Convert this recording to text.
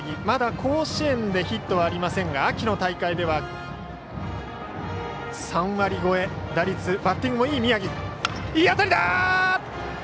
まだ甲子園でヒットはありませんが秋の大会では３割超え、打率もいい宮城。